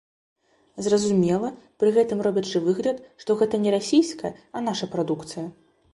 Зразумела, пры гэтым робячы выгляд, што гэта не расійская, а наша прадукцыя.